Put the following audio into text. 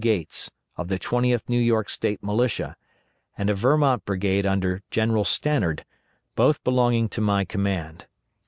Gates, of the 20th New York State Militia, and a Vermont brigade under General Stannard, both belonging to my command.